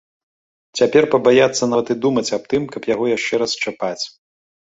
Цяпер пабаяцца нават і думаць аб тым, каб яго яшчэ раз чапаць.